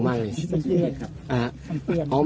ทำเปลี่ยนครับ